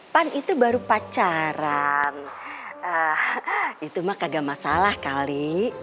pan itu baru pacaran itu mah kagak masalah kali